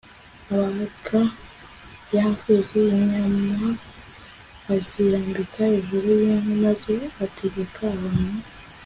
abaga ya mpfizi inyama azirambika hejuru yinkwi maze ategeka abantu